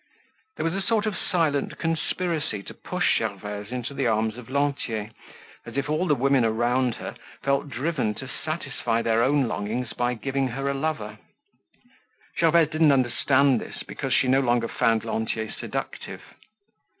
There was a sort of silent conspiracy to push Gervaise into the arms of Lantier, as if all the women around her felt driven to satisfy their own longings by giving her a lover. Gervaise didn't understand this because she no longer found Lantier seductive.